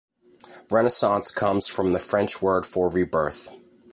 Renaissance comes from the French word for rebirth.